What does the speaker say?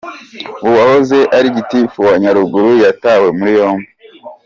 Uwahoze ari gitifu wa Nyaruguru yatawe muri yombi .